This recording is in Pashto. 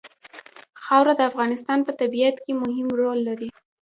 خاوره د افغانستان په طبیعت کې مهم رول لري.